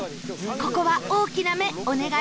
ここは大きな目お願いしますよ